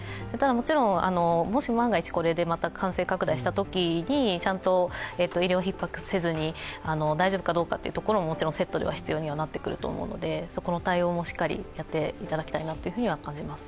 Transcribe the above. もちろん、ただ万が一これで感染拡大したときに、ちゃんと医療ひっ迫せずに大丈夫かどうかももちろんセットでは必要になってくると思うので、そこの対応もしっかりやっていただきたいなとは感じます。